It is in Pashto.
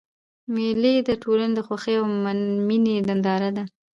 مېلې د ټولني د خوښۍ او میني ننداره ده.